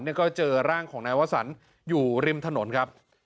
ก็เจอร่างของนายวสันอยู่ริมถนนครับ